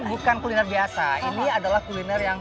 bukan kuliner biasa ini adalah kuliner yang